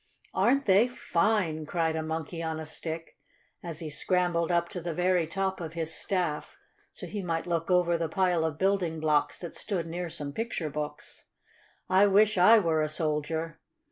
"Aren't they fine?" cried a Monkey on a Stick, as he scrambled up to the very top of his staff, so he might look over the pile of building blocks that stood near some picture books. "I wish I were a soldier!"